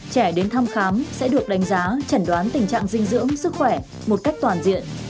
trẻ đến thăm khám sẽ được đánh giá chẩn đoán tình trạng dinh dưỡng sức khỏe một cách toàn diện